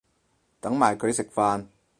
等埋佢食飯